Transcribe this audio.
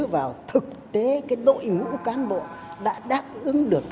đội ngũ cán bộ đã đáp ứng được